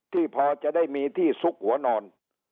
พอจะได้มีที่ซุกหัวนอน